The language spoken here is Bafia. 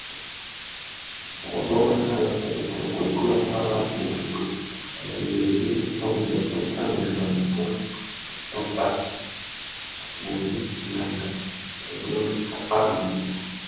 Bō narèn nkokuei a bokito bi dhi tondèn bi tanènga bitoň bi Bati (boni Nanga) bi Kpagi.